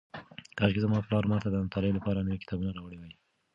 کاشکې زما پلار ماته د مطالعې لپاره نوي کتابونه راوړي وای.